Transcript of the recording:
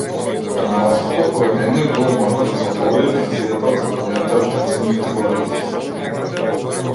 Карневалското поведение било можност да се ослободи тензијата од зададените општествени категории.